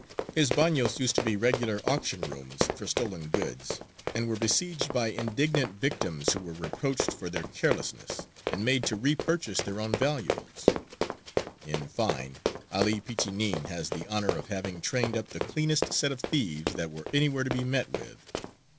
His bagnios used to be regular auction rooms for stolen goods, and were besieged by indignant victims, who were reproached for their carelessness, and made to re purchase their own valuables: in fine, 'Ali Pichinin "has the honour of having trained up the cleanest set of thieves that were anywhere to be met with."